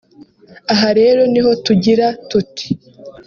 Aha rero niho tugira tuti